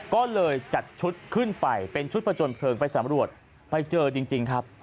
ก็เลยจัดชุดขึ้นไปเป็นชุดประจนเพลิงไปสำรวจไปเจอจริงครับ